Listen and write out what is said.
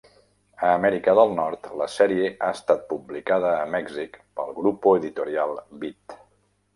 A Amèrica del Nord, la sèrie ha estat publicada a Mèxic pel Grupo Editorial Vid.